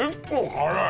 辛い！